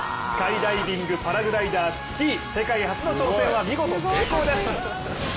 スカイダイビング、パラグライダー、スキー世界初の挑戦は見事成功です。